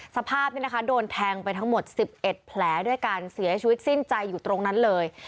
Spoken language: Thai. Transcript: สภาพนี้นะคะโดนแทงไปทั้งหมด๑๑แผลด้วยกันเสียชีวิตสิ้นใจอยู่ตรงนั้นเลย